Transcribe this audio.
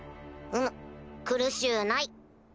うむ苦しゅうない。